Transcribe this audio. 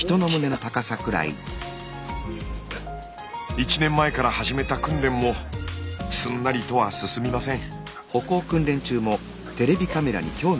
１年前から始めた訓練もすんなりとは進みません。